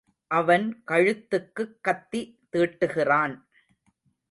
அவன் கழுத்துக்குக் கத்தி தீட்டுகிறான்.